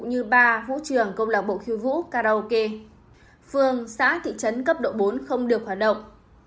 như bar hữu trường công lạc bộ khiêu vũ karaoke phường xã thị trấn cấp độ bốn không được hoạt động